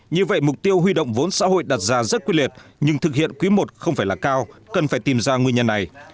như vậy mục tiêu huy động vốn xã hội đặt ra rất quyết liệt nhưng thực hiện quý i không phải là cao cần phải tìm ra nguyên nhân này